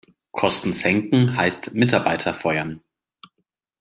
Kosten senken heißt Mitarbeiter feuern.